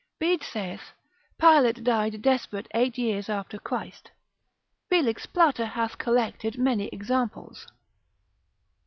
Bede saith, Pilate died desperate eight years after Christ. Felix Plater hath collected many examples.